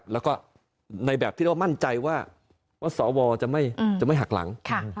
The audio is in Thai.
แล้วก็ในแบบที่เรามั่นใจว่าสวจะไม่หักหลัง